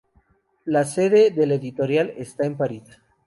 La sede de la editorial está en París.